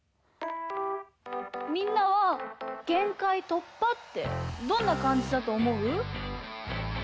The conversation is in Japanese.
みんなは「限界突破」ってどんなかんじだとおもう？